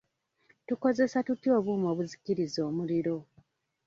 Tukozesa tutya obuuma obuzikiriza omuliro?